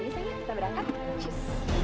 udah sayang kita berangkat tschuss